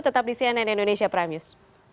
tetap di cnn indonesia prime news